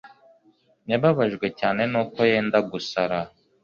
Yarababajwe cyane nuko yenda gusara